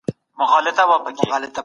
دوی د حقايقو لټون کړی و.